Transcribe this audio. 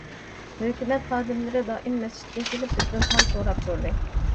ھۆكۈمەت خادىملىرى دائىم مەسچىتكە كېلىپ بىزدىن ھال سوراپ تۇردى.